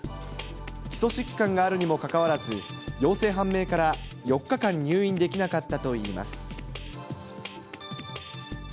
基礎疾患があるにもかかわらず、陽性判明から４日間入院できなかったといいます。